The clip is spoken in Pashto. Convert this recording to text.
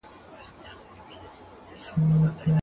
او خپله نړۍ یې روښانه کړه.